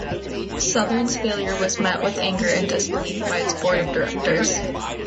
Southern's failure was met with anger and disbelief by its board of directors.